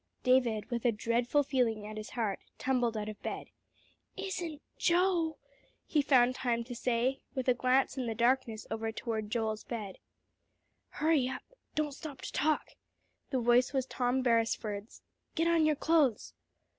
David, with a dreadful feeling at his heart, tumbled out of bed. "Isn't Joe!" he found time to say, with a glance in the darkness over toward Joel's bed. "Hurry up, don't stop to talk." The voice was Tom Beresford's. "Get on your clothes."